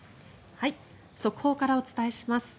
速報からお伝えします。